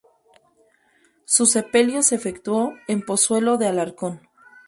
Su sepelio se efectuó en Pozuelo de Alarcón.